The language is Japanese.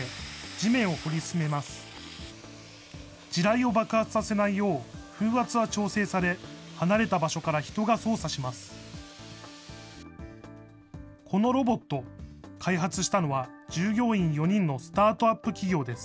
地雷を爆発させないよう、風圧は調整され、離れた場所から人が操作します。